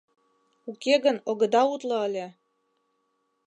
Уке гын огыда утло ыле.